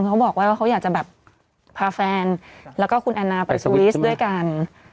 เขาบอกว่าเขาอยากจะแบบพาแฟนแล้วก็คุณแอนนาไปสวิสด้วยกัน